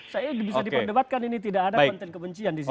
saya bisa diperdebatkan ini tidak ada konten kebencian di situ